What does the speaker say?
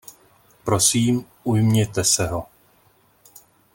Prosím, ujměte se ho.